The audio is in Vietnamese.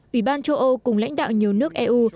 ủy ban châu âu cùng lãnh đạo nhiều nước eu